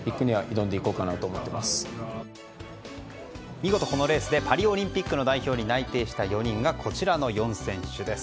見事このレースでパリオリンピックの代表に内定した４人がこちらの４選手です。